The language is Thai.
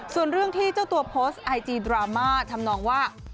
ส่วนเรื่องที่เจ้าตัวโพสต์ไอจีดราม่าทำนองว่า